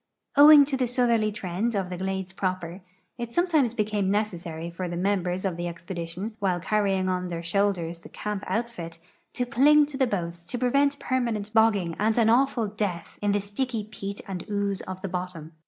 Owing to the southerly trend of the glades proper, it sometimes became necessary for the members of tbe expedition, while canying on their shoulders the camp outfit, to cling to the boats to prevent permanent bogging and an awful death in the sticky peat and ooze of the bottom.